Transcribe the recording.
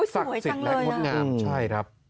สักสิทธิ์และมดงามโอ้ยสวยจังเลยนะใช่ครับ